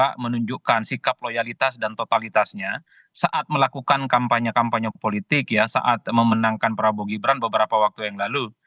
kita menunjukkan sikap loyalitas dan totalitasnya saat melakukan kampanye kampanye politik ya saat memenangkan prabowo gibran beberapa waktu yang lalu